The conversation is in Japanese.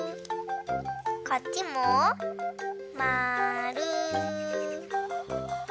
こっちもまる。